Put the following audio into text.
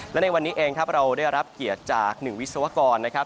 และในวันนี้เราได้รับเกียรติจากหนึ่งวิศวกร